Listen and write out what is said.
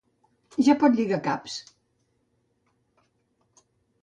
Ja pot lligar caps.